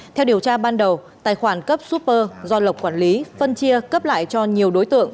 theo điều tra ban đầu tài khoản cấp úper do lộc quản lý phân chia cấp lại cho nhiều đối tượng